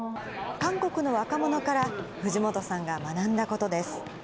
韓国の若者から、藤本さんが学んだことです。